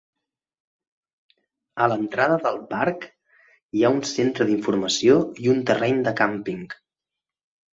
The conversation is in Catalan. A l'entrada del parc, hi ha un centre d'informació i un terreny de càmping.